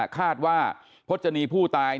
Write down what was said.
คาดว่าพจนีผู้ตาย